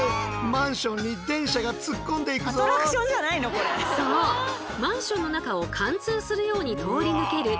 マンションの中を貫通するように通り抜けるモノレール。